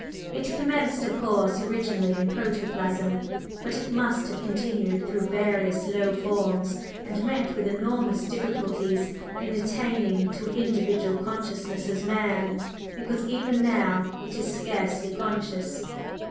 It commenced, of course, originally in protoplasm; but it must have continued through various low forms and met with enormous difficulties in attaining to individual consciousness as man, because even now it is scarcely conscious."